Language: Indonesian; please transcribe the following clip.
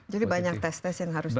jadi banyak tes tes yang harus dilalui